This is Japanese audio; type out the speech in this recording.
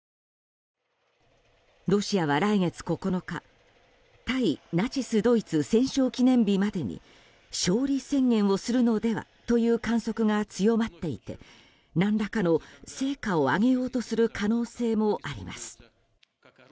ロシアは来月９日対ナチスドイツ戦勝記念日までに勝利宣言をするのではという観測が強まっていて何らかの成果を上げようとする可能性もあります。